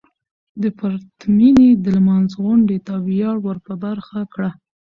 د پرتمينې لمانځغونډې ته وياړ ور په برخه کړه .